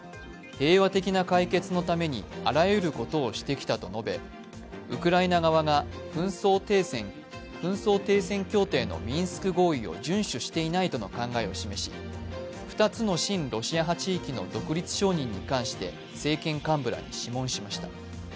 平和的な解決のためにあらゆることをしてきたと述べウクライナ側が紛争停戦協定のミンスク合意を順守していないとの考えを示し２つの親ロシア派地域の独立承認に関して政権幹部らに諮問しました。